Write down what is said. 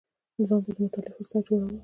ځان ته د مطالعې فهرست جوړول